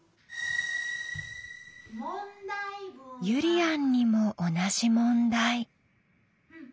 ゆりやんにも同じ問題。